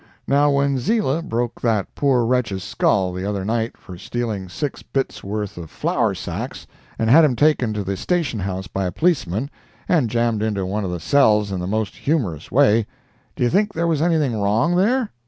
Now when Ziele broke that poor wretch's skull the other night for stealing six bits' worth of flour sacks, and had him taken to the Station House by a policeman, and jammed into one of the cells in the most humorous way, do you think there way anything wrong there?